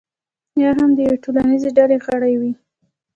یا هم د یوې ټولنیزې ډلې غړی وي.